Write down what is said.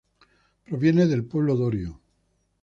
Proviene del pueblo dorio.